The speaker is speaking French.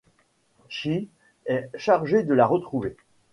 Chee est chargé de la retrouver.